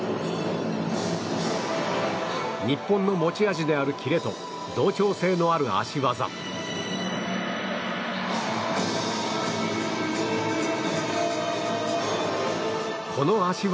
日本の持ち味であるキレと同調性のある脚技。